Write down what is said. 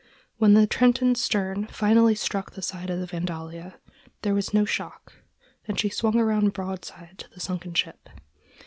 When the Trenton's stern finally struck the side of the Vandalia, there was no shock, and she swung around broadside to the sunken ship.